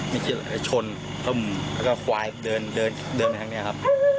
ไม่คิดอะไรชนแล้วก็ควายเดินไปทางนี้ครับ